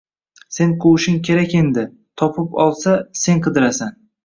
Sen quvishing kerak endi, topib olsa sen qidirasan.